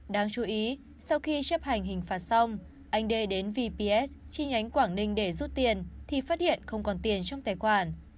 đáng chú ý sau khi chấp hành hình phạt xong anh đê đến vps chi nhánh quảng ninh để rút tiền thì phát hiện không còn tiền trong tài khoản